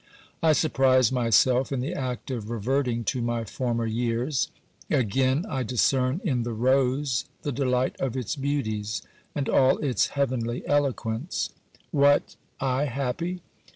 I surprise myself in the act of reverting to my former years ; again I discern in the rose the delight of its beauties, and all its heavenly eloquence. OBERMANN 67 What, I happy